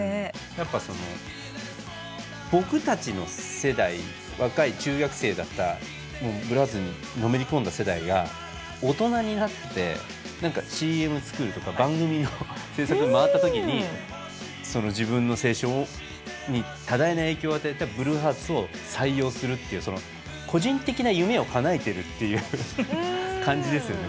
やっぱその僕たちの世代若い中学生だったブルーハーツにのめり込んだ世代が大人になって何かＣＭ作るとか番組の制作に回った時に自分の青春に多大な影響を与えたブルーハーツを採用するっていうその個人的な夢をかなえてるっていう感じですよね